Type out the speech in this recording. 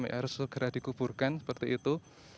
harus segera dikuburkan seperti itu